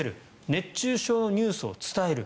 熱中症のニュースを伝える。